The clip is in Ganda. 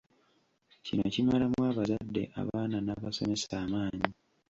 Kino kimalamu abazadde, abaana n'abasomesa amaanyi.